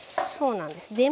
そうなんです。